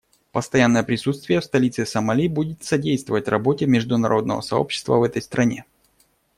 Постоянное присутствие в столице Сомали будет содействовать работе международного сообщества в этой стране.